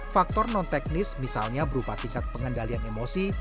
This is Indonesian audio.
faktor non teknis misalnya berupa tingkat pengendalian emosi